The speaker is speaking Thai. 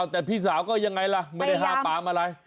แต่พี่สาวก็ยังไงล่ะไม่ได้ห้ามปามอะไร